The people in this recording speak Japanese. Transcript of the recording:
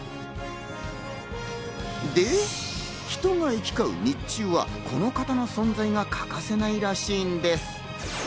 で、人が行き交う日中はこの方の存在が欠かせないらしいんです。